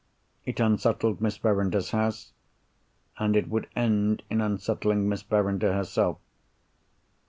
It unsettled Miss Verinder's house, and it would end in unsettling Miss Verinder herself.